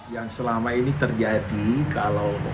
yang selama ini terjadi kalau